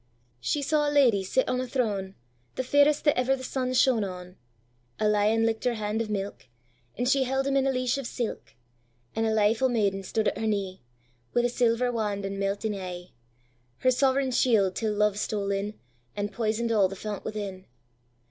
She saw a lady sit on a throne, The fairest that ever the sun shone on!A lion lick'd her hand of milk, And she held him in a leish of silk; And a leifu' maiden stood at her knee, With a silver wand and melting e'e; Her sovereign shield till love stole in, And poison'd all the fount within.